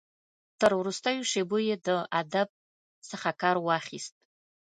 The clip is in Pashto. تر وروستیو شېبو یې له ادب څخه کار واخیست.